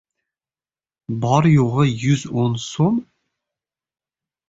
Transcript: Bor-yo‘g‘i yuz o‘n so‘m!